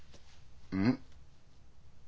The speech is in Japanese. うん？